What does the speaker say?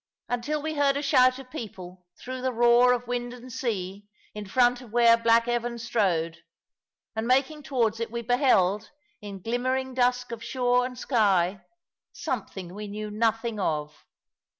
Until we heard a shout of people, through the roar of wind and sea, in front of where black Evan strode; and making towards it, we beheld, in glimmering dusk of shore and sky, something we knew nothing of.